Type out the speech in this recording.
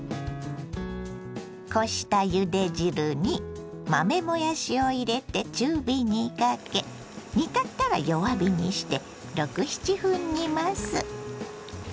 こしたゆで汁に豆もやしを入れて中火にかけ煮立ったら弱火にして６７分煮ます。